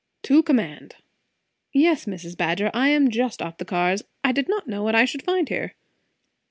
"To command. Yes, Mrs. Badger, I am just off the cars. I did not know what I should find here."